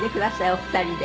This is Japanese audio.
お二人で。